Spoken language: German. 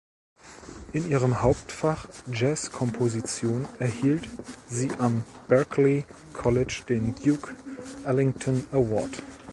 In ihrem Hauptfach Jazzkomposition erhielt sie am Berklee College den "Duke Ellington Award".